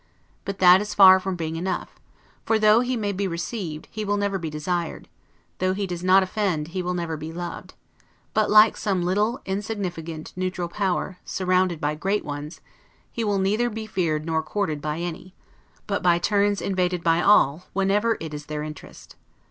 But that is far from being enough; for, though he may be received, he will never be desired; though he does not offend, he will never be loved; but, like some little, insignificant, neutral power, surrounded by great ones, he will neither be feared nor courted by any; but, by turns, invaded by all, whenever it is their interest.